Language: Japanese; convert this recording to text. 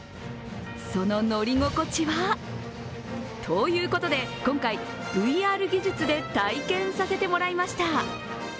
その乗り心地は？ということで、今回、ＶＲ技術で体験させてもらいました。